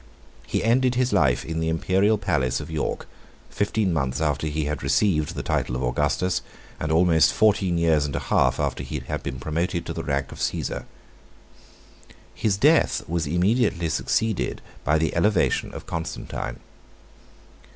He ended his life in the Imperial palace of York, fifteen months after he had received the title of Augustus, and almost fourteen years and a half after he had been promoted to the rank of Cæsar. His death was immediately succeeded by the elevation of Constantine.